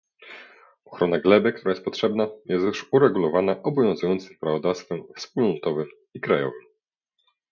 Ochrona gleby, która jest potrzebna, jest już uregulowana obowiązującym prawodawstwem wspólnotowym i krajowym